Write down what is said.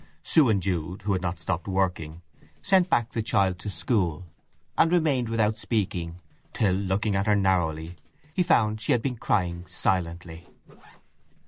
Sue and Jude, who had not stopped working, sent back the child to school, and remained without speaking; till, looking at her narrowly, he found she had been crying silently.